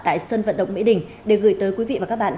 tại sân vận động mỹ đình để gửi tới quý vị và các bạn